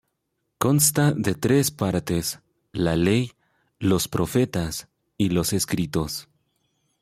Consta de tres partes: La Ley, Los Profetas y los Escritos.